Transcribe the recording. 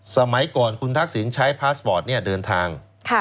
สมัยก่อนคุณทักษิณใช้พาสปอร์ตเดินทาง